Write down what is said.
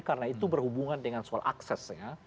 karena itu berhubungan dengan soal aksesnya